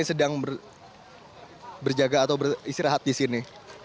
yang sedang berjaga atau beristirahat di sini